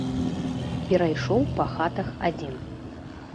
Перайшоў па хатах адзін.